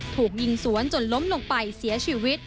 ถูกยิงสวนจนล้มลงไปเสียชีวิต